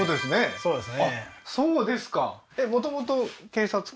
そうですね